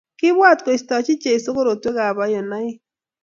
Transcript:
kiibwat koistachi jeso korotwek ab ionaik